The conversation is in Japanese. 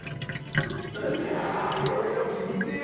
いやぁいろいろ見てよ